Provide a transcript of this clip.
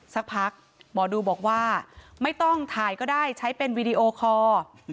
สักพักหมอดูบอกว่าไม่ต้องถ่ายก็ได้ใช้เป็นวีดีโอคอร์